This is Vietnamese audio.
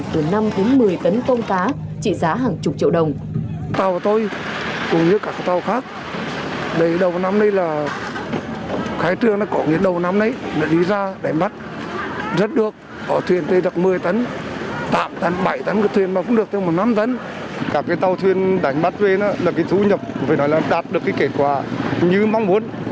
từ năm đến một mươi tấn tôm cá trị giá hàng chục triệu đồng